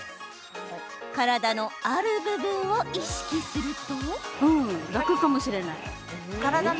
体のある部分を意識すると。